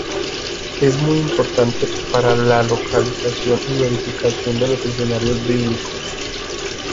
Es muy importante para la localización y verificación de los escenarios bíblicos.